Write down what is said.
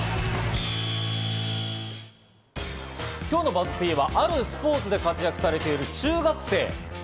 今日のＢＵＺＺ−Ｐはあるスポーツで活躍されている中学生。